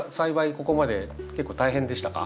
ここまで結構大変でしたか？